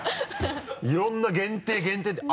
いろんな限定限定って。